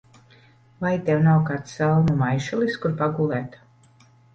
Vai tev nav kāds salmu maišelis, kur pagulēt?